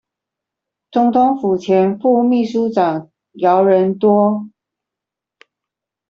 總統府前副祕書長姚人多